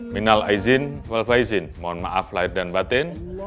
minal aizin wal faizin mohon maaf lahir dan batin